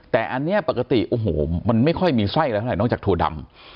แต่อันนี้ปกติโอ้โหมันไม่ค่อยมีไส้อะไรเท่าไหนอกจากถั่วดำ